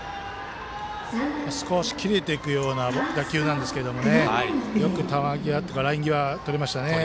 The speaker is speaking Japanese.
少し切れていくような打球なんですけどよく球際、ライン際とりましたね。